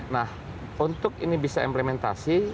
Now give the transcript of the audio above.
nah untuk ini bisa implementasi